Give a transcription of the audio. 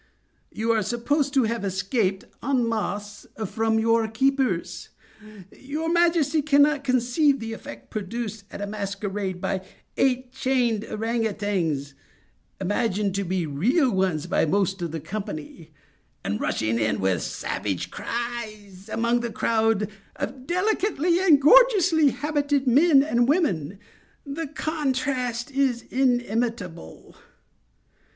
You are supposed to have escaped, en masse, from your keepers. Your majesty cannot conceive the effect produced, at a masquerade, by eight chained ourang outangs, imagined to be real ones by most of the company; and rushing in with savage cries, among the crowd of delicately and gorgeously habited men and women. The contrast is inimitable."